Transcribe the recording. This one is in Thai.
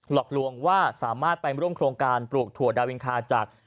หลอกลวงว่าสามารถไปร่วมโครงการปลูกถั่วดาวินคาจาก